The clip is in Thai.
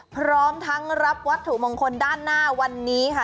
พร้อมทั้งรับวัตถุมงคลด้านหน้าวันนี้ค่ะ